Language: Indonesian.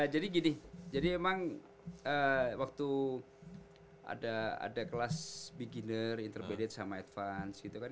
jadi gini jadi emang waktu ada kelas beginner intermediate sama advance gitu kan